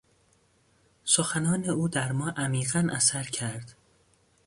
سخنان او در ما عمیقا اثر کرد.